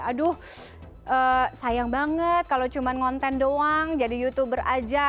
aduh sayang banget kalau cuma konten doang jadi youtuber aja